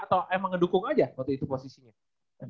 atau emang ngedukung aja waktu itu posisinya